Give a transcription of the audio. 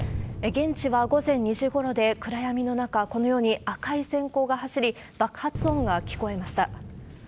現地は午前２時ごろで、暗闇の中、このように赤いせん光が走り、爆発音が聞こえました。